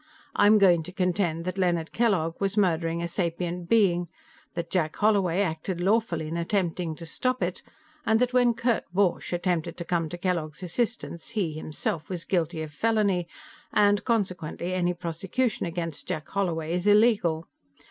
I'm going to contend that Leonard Kellogg was murdering a sapient being, that Jack Holloway acted lawfully in attempting to stop it and that when Kurt Borch attempted to come to Kellogg's assistance he, himself, was guilty of felony, and consequently any prosecution against Jack Holloway is illegal.